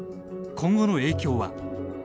今後の影響は？